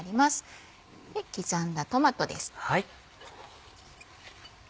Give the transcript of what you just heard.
刻んだトマトです。